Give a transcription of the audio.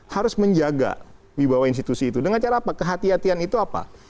harus menjaga wibawa institusi itu dengan cara apa kehatian kehatian itu apa